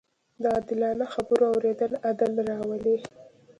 د عادلانه خبرو اورېدل عدل راولي